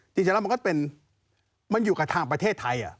จริงแล้วมันก็เป็นมันอยู่กับทางประเทศไทย